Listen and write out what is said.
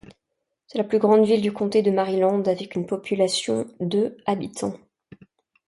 C'est la plus grande ville du comté de Maryland avec une population de habitants.